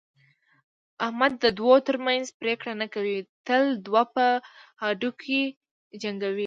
احمد د دوو ترمنځ پرېکړه نه کوي، تل دوه په هډوکي جنګوي.